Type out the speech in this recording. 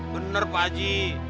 bener pak haji